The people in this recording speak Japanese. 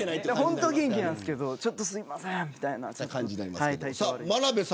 本当は元気なんですけどちょっとすいません、みたいな。